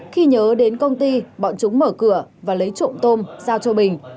khi nhớ đến công ty bọn chúng mở cửa và lấy trộm tôm giao cho bình